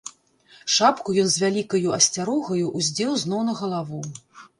Шапку ён з вялікаю асцярогаю ўздзеў зноў на галаву.